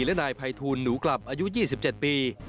และนายภัยทูลหนูกลับอายุ๒๗ปี